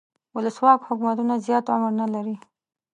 ولسواک حکومتونه زیات عمر نه لري.